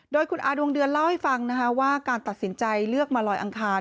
โดยคุณอาดวงเดือนเล่าให้ฟังนะคะว่าการตัดสินใจเลือกมาลอยอังคาร